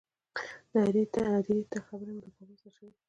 د هدیرې تګ خبره مې له بابا سره شریکه کړه.